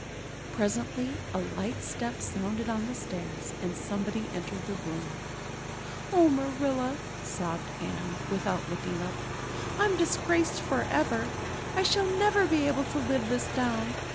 Presently a light step sounded on the stairs and somebody entered the room. "Oh, Marilla," sobbed Anne, without looking up, "I'm disgraced forever. I shall never be able to live this down.